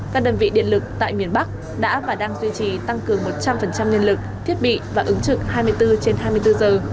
các đơn vị điện lực tại miền bắc đã và đang duy trì tăng cường một trăm linh nhân lực thiết bị và ứng trực hai mươi bốn trên hai mươi bốn giờ